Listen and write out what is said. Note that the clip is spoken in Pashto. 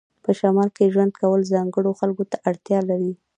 په شمال کې ژوند کول ځانګړو خلکو ته اړتیا لري